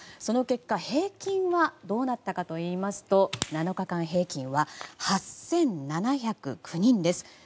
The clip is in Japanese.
その結果、平均はどうなったかといいますと７日間平均は８７０９人です。